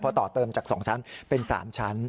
ต่อเติมจาก๒ชั้นเป็น๓ชั้น